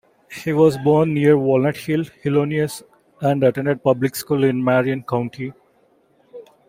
He was born near Walnut Hill, Illinois, and attended public schools in Marion County.